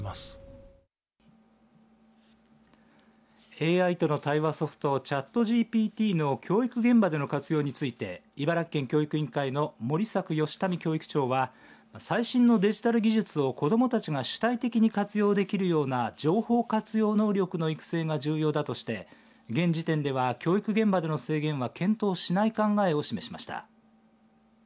ＡＩとの対話ソフトＣｈａｔＧＰＴの教育現場での活用について茨城県教育委員会の森作宜民教育長は最新のデジタル技術を子どもたちが主体的に活用できるような情報活用能力の育成が重要だとして現時点では教育現場での制限は検討しない考えを示しました。